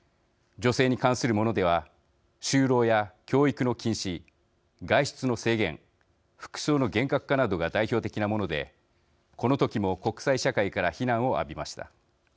女性に関するものでは就労や教育の禁止、外出の制限服装の厳格化などが代表的なものでこの時も国際社会から非難を浴びました。